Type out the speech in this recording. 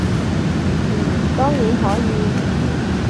嗯，當然可以